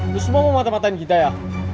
lo semua mau matematain kita ya